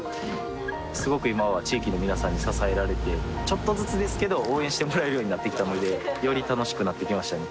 すごく今は地域の皆さんに支えられてちょっとずつですけど応援してもらえるようになってきたのでより楽しくなってきましたね